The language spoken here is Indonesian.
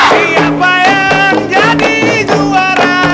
siapa yang jadi juara